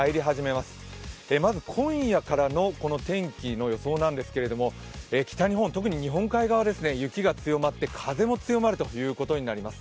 まず今夜からの天気の予想なんですけれども、北日本、特に日本海側は雪も強まって風も強まることになります。